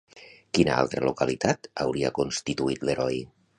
Quina altra localitat hauria constituït l'heroi?